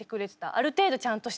ある程度ちゃんとしてれば。